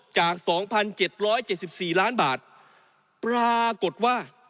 จาก๒๗๗๔ล้านบาทปรากฏว่า